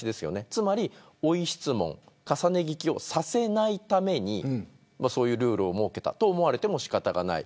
つまり追い質問重ね聞きをさせないためにそういうルールを設けたと思われても仕方がない。